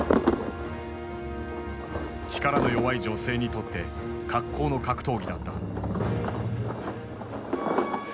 力の弱い女性にとって格好の格闘技だった。